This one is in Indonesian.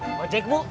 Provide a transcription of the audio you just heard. mau cek bu